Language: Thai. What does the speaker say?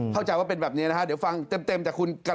เข้าใจว่าเป็นแบบนี้นะฮะเดี๋ยวฟังเต็มจากคุณกัน